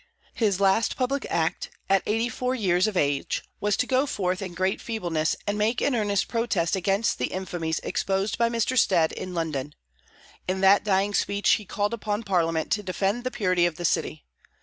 His last public act, at 84 years of age, was to go forth in great feebleness and make an earnest protest against the infamies exposed by Mr. Stead in London. In that dying speech he called upon Parliament to defend the purity of the city.